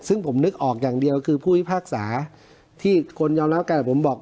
ซึ่งผมนึกออกอย่างเดียวคือผู้พิพากษาที่คนยอมรับกันผมบอก